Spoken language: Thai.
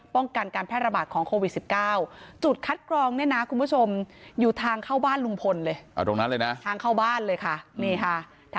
ป้องกันการแพร่ระบาดของโควิด๑๙